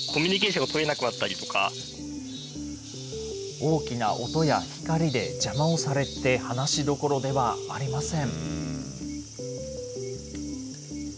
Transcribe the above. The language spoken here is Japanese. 大きな音や光で邪魔をされて、話どころではありません。